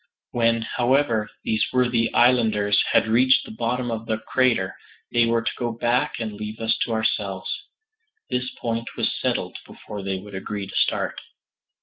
When, however, these worthy islanders had reached the bottom of the crater, they were to go back and leave us to ourselves. This point was settled before they would agree to start.